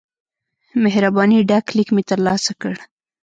مهربانی ډک لیک مې ترلاسه کړ.